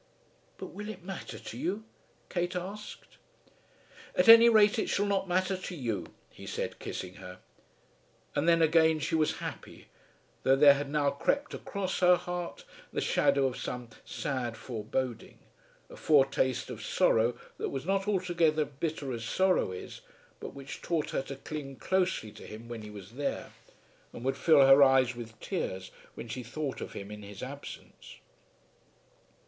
"But will it matter to you?" Kate asked. "At any rate it shall not matter to you," he said, kissing her. And then again she was happy; though there had now crept across her heart the shadow of some sad foreboding, a foretaste of sorrow that was not altogether bitter as sorrow is, but which taught her to cling closely to him when he was there and would fill her eyes with tears when she thought of him in his absence.